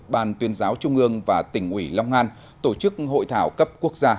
ban tuyên giáo trung ương và tỉnh ủy long an tổ chức hội thảo cấp quốc gia